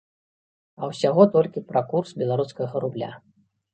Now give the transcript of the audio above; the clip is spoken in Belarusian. А ўсяго толькі пра курс беларускага рубля.